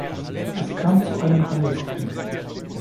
Es kam zu einem Handelskrieg.